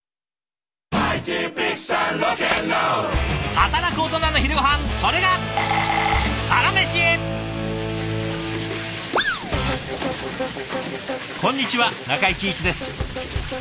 働くオトナの昼ごはんそれがこんにちは中井貴一です。